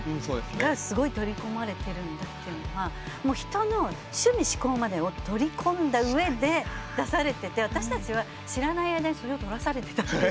がすごい取り込まれているんだっていうのは人の趣味嗜好までを取り込んだ上で出されてて私たちは知らない間にそれを取らされてたっていうね。